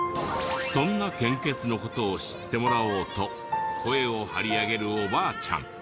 そんな献血の事を知ってもらおうと声を張り上げるおばあちゃん。